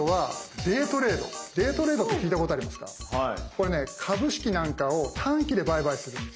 これね株式なんかを短期で売買するんですよね。